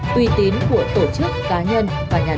tuy tín của tổ chức cá nhân và nhà đầu tư